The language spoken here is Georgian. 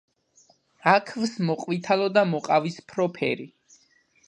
აქვს მოყვითალო და მოყავისფრო ფერი.